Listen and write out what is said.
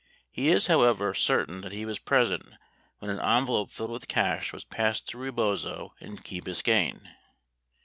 He is, however, certain that he was present when an envelope filled with cash was passed to Rebozo in Key Biscayne.